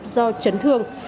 do chấn thương